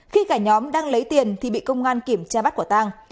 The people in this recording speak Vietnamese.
khi cả nhóm đang lấy tiền thì bị công an kiểm tra bắt quả tang